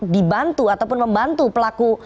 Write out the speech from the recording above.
dibantu ataupun membantu pelaku